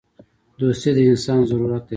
• دوستي د انسان ضرورت دی.